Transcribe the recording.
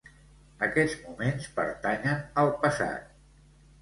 Aquests moments pertanyen al passat.